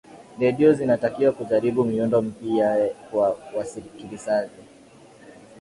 redio zinatakiwa kujaribu miundo mipya kwa wasikilizaji